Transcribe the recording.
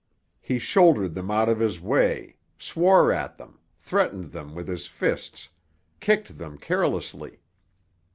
He shouldered them out of his way, swore at them, threatened them with his fists, kicked them carelessly.